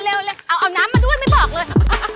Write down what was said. เร็วเลยเอาน้ำมาด้วยไม่บอกเลย